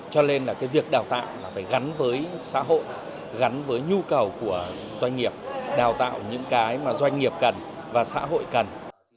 cho nên là cái việc đào tạo là phải gắn với xã hội gắn với nhu cầu của doanh nghiệp đào tạo những cái mà doanh nghiệp cần và xã hội cần